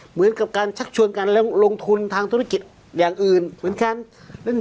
เหมือนกับการชักชวนกันแล้วลงทุนทางธุรกิจอย่างอื่นเหมือนกัน